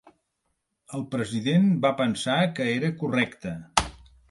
El President va pensar que era correcte.